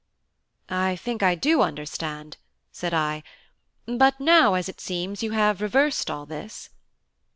"I think I do understand," said I: "but now, as it seems, you have reversed all this?"